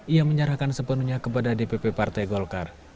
ia menyerahkan sepenuhnya kepada dpp partai golkar